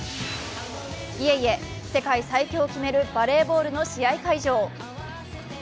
いえいえ、世界最強を決めるバレーボールの試合会場。